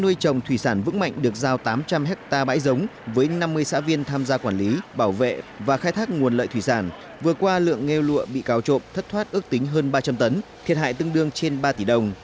người phóng tàu tám trăm linh hectare bãi giống với năm mươi xã viên tham gia quản lý bảo vệ và khai thác nguồn lợi thủy sản vừa qua lượng nghêu lụa bị cao trộm thất thoát ước tính hơn ba trăm linh tấn thiệt hại tương đương trên ba tỷ đồng